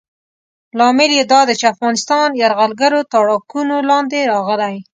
لامل یې دا دی چې افغانستان یرغلګرو تاړاکونو لاندې راغلی.